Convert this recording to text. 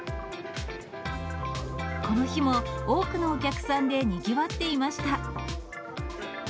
この日も、多くのお客さんでにぎわっていました。